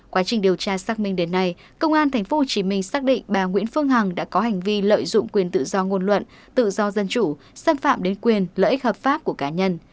quá trình điều tra xác minh đến nay công an tp hcm xác định bà nguyễn phương hằng đã có hành vi lợi dụng quyền tự do ngôn luận tự do dân chủ xâm phạm đến quyền lợi ích hợp pháp của cá nhân